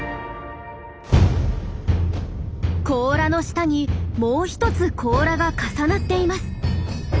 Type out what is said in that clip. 甲羅の下にもう一つ甲羅が重なっています。